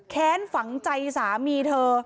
แค้นฝังใจสามีเธอ